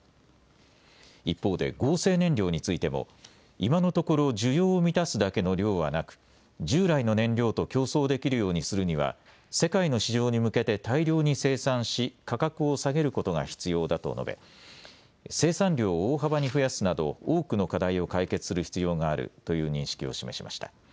一方で合成燃料についても今のところ需要を満たすだけの量はなく従来の燃料と競争できるようにするには世界の市場に向けて大量に生産し価格を下げることが必要だと述べ、生産量を大幅に増やすなど多くの課題を解決する必要があるという認識を示しました。